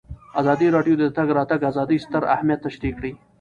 ازادي راډیو د د تګ راتګ ازادي ستر اهميت تشریح کړی.